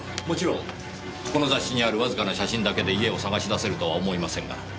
もちろんこの雑誌にあるわずかな写真だけで家を捜し出せるとは思えませんが。